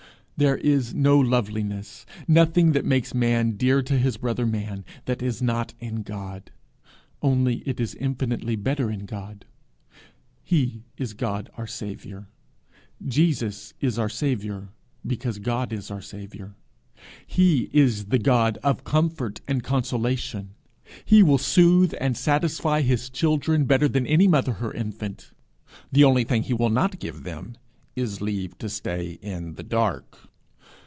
There is no loveliness, nothing that makes man dear to his brother man, that is not in God, only it is infinitely better in God. He is God our saviour. Jesus is our saviour because God is our saviour. He is the God of comfort and consolation. He will soothe and satisfy his children better than any mother her infant. The only thing he will not give them is leave to stay in the dark.